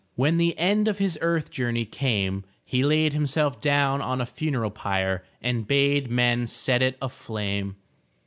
When the end of his earth journey came, he laid himself down on a funeral pyre and bade men set it aflame.